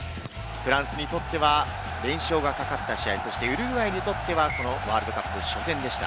フランスにとっては連勝が懸かった試合、ウルグアイにとってはワールドカップ初戦でした。